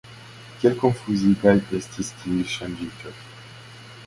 Kiel konfuzigaj estis tiuj ŝanĝiĝoj.